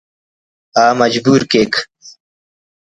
آ مجبور کیک